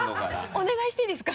お願いしていいですか？